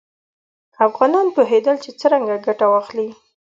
افغانان پوهېدل چې څرنګه ګټه واخلي.